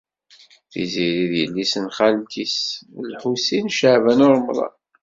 Tiziri d yelli-s n xalti-s n Lḥusin n Caɛban u Ṛemḍan.